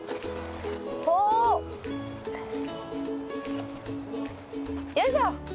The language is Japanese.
おお！よいしょ。